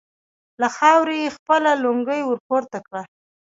له خاورو يې خپله لونګۍ ور پورته کړه.